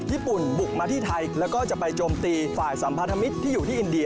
ญี่ปุ่นบุกมาที่ไทยแล้วก็จะไปโจมตีฝ่ายสัมพันธมิตรที่อยู่ที่อินเดีย